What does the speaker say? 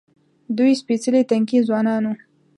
دوی سپېڅلي تنکي ځوانان وو.